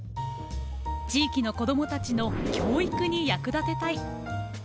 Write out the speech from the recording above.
地域の子どもたちの教育に役立てたい。